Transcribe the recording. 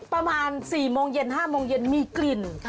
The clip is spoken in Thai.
ประมาณ๔๕โมงเย็นมีกลิ่น